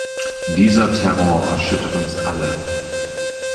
Dieser Terror erschüttert uns alle.